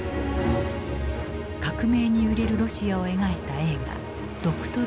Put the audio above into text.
革命に揺れるロシアを描いた映画「ドクトル・ジバゴ」。